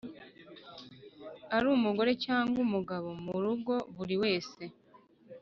ari umugore cyangwa umugabo mu rugo buri wese